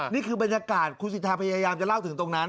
นี่คือบรรยากาศคุณสิทธาพยายามจะเล่าถึงตรงนั้น